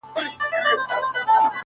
• زړه مي در سوځي چي ته هر گړی بدحاله یې؛